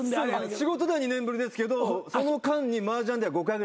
仕事では２年ぶりですけどその間にマージャンでは５回ぐらい。